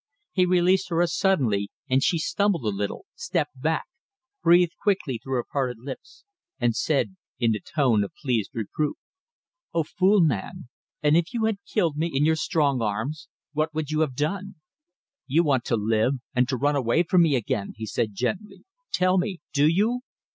He released her as suddenly, and she stumbled a little, stepped back, breathed quickly through her parted lips, and said in a tone of pleased reproof "O Fool man! And if you had killed me in your strong arms what would you have done?" "You want to live ... and to run away from me again," he said gently. "Tell me do you?"